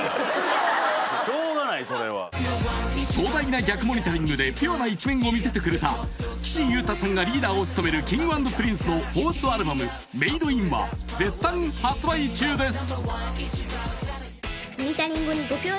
それは壮大な逆モニタリングでピュアな一面を見せてくれた岸優太さんがリーダーを務めるＫｉｎｇ＆Ｐｒｉｎｃｅの４ｔｈＡＬＢＵＭ「Ｍａｄｅｉｎ」は絶賛発売中です